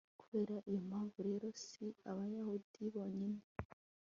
kubera iyo mpamvu rero, si abayahudi bonyine